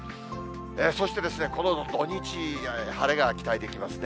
そして、この土日、晴れが期待できますね。